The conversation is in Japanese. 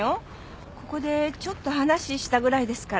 ここでちょっと話ししたぐらいですから。